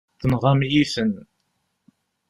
Tenɣamt-iyi-ten.